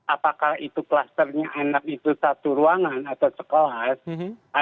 apakah itu klusternya anak itu satu ruangan atau sekelas